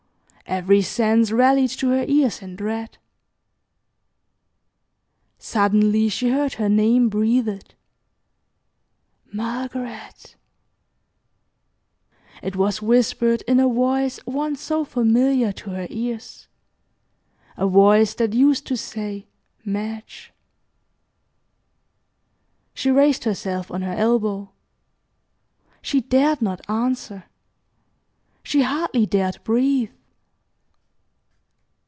Every sense rallied to her ears in dread. Suddenly she heard her name breathed: "Margaret!" It was whispered in a voice once so familiar to her ears, a voice that used to say, "Madge." She raised herself on her elbow. She dared not answer. She hardly dared breathe.